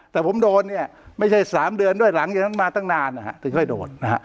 แต่ผมโดนไม่ใช่๓เดือนด้วยหลังจากนั้นมาตั้งนานแต่ก็โดน